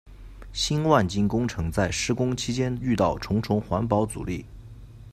新万金工程在施工期间遇到重重环保阻力。